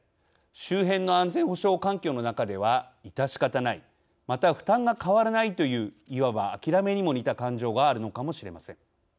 周辺の安全保障環境の中では致し方ないまた負担が変わらないといういわば、諦めにも似た感情があるのかもしれません。